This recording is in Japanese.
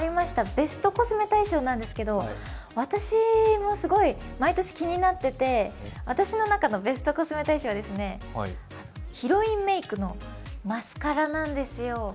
ベストコスメ大賞なんですけど、私もすごい毎年気になってて、私の中のベストコスメ大賞はヒロインメークのマスカラなんですよ。